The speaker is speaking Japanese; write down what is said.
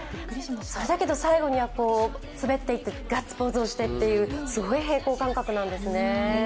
だけど最後には滑っていってガッツポーズをするという、すごい平行感覚なんですね。